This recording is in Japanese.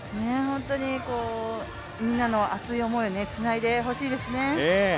本当にみんなの熱い思いをつないでほしいですね。